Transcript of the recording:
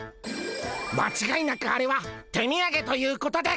まちがいなくあれは手みやげということでゴンス！